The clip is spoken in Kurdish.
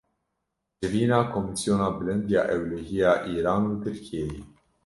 Civîna komîsyona bilind ya ewlehiya Îran û Tirkiyeyê